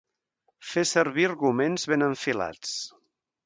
Fer servir arguments ben enfilats.